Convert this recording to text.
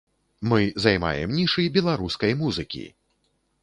Мы займаем нішы беларускай музыкі!